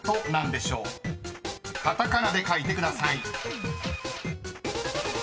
［カタカナで書いてください］